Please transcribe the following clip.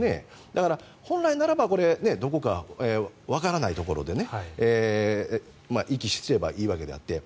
だから本来ならどこかわからないところで遺棄すればいいわけであって。